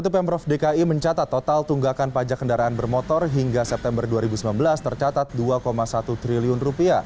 pemprov dki mencatat total tunggakan pajak kendaraan bermotor hingga september dua ribu sembilan belas tercatat rp dua satu triliun